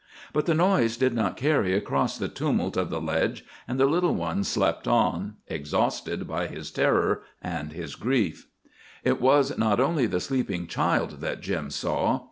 But the noise did not carry across the tumult of the ledge, and the little one slept on, exhausted by his terror and his grief. It was not only the sleeping child that Jim saw.